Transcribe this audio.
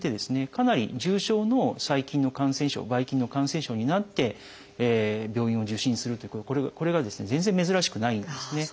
かなり重症の細菌の感染症ばい菌の感染症になって病院を受診するというこれがですね全然珍しくないんですね。